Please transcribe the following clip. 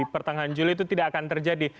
pertengahan juli itu tidak akan terjadi